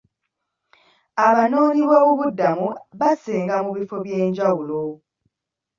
Abanoonyiboobubudamu baasenga mu bifo ebyenjawulo.